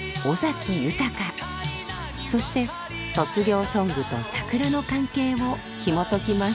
そして卒業ソングと桜の関係をひも解きます。